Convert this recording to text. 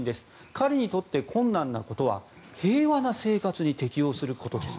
彼にとって困難なことは平和な生活に適応することです